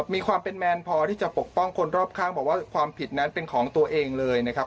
มีความเป็นแมนพอที่จะปกป้องคนรอบข้างบอกว่าความผิดนั้นเป็นของตัวเองเลยนะครับ